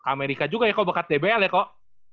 amerika juga ya kok bakat dbl ya kok